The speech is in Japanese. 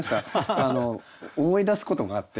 あの思い出すことがあって。